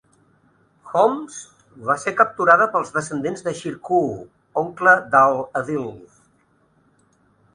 Homs va ser capturada pels descendents de Shirkuh, oncle d'Al-Adil.